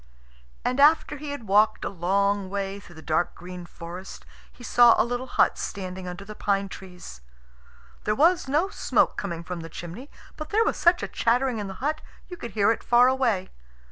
And after he had walked a long way through the dark green forest, he saw a little hut standing under the pine trees. There was no smoke coming from the chimney, but there was such a chattering in the hut you could hear it far away.